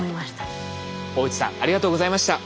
大内さんありがとうございました。